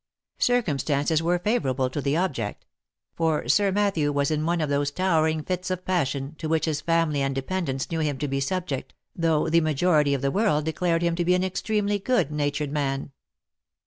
Circumstances were favourable to the object ; for Sir Matthew was in one of those towering fits of passion, to which his family and de pendants knew him to be subject, though the majority of the world declared him to be an extremely good natured man.